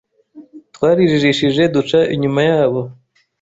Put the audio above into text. Twarijijishije duca inyuma yabo …